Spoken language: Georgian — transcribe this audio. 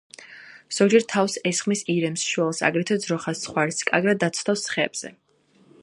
ზოგჯერ თავს ესხმის ირემს, შველს, აგრეთვე ძროხას, ცხვარს; კარგად დაცოცავს ხეებზე.